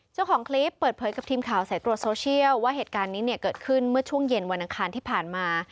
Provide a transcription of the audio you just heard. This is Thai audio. เจ้าของคลิปเปิดเผยกับทีมข่าวสายตรวจโซเชียลว่าเหตุการณ์นี้เนี่ยเกิดขึ้นเมื่อช่วงเย็นวันอังคารที่ผ่านมา